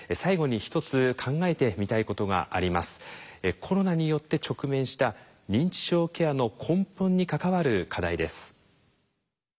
コロナによって直面した認知症ケアの根本に関わる課題です。